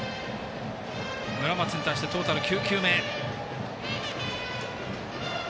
村松に対して、トータル９球目。